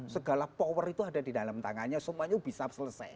segala power itu ada di dalam tangannya semuanya bisa selesai